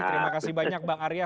terima kasih banyak bang arya